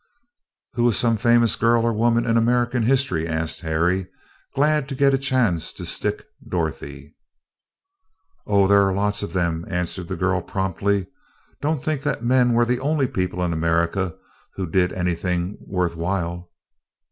"Who was some famous girl or woman in American history?" asked Harry, glad to get a chance to "stick" Dorothy. "Oh, there are lots of them," answered the girl, promptly. "Don't think that men were the only people in America who did anything worth while."